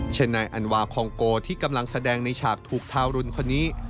เช่นนายอันวาคองโกที่กำลังแสดงในฉากถูกทารุณคนนี้